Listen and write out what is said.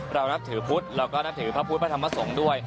เรานับถือพุทธแล้วก็นับถือพระพุทธพระธรรมสงฆ์ด้วย